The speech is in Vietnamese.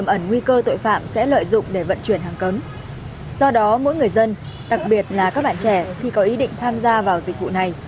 mỗi người dân đặc biệt là các bạn trẻ khi có ý định tham gia vào dịch vụ này